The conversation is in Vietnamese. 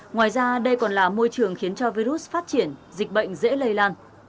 ngoài ra đây còn là môi trường khiến cho virus phát triển dịch bệnh dễ lây lan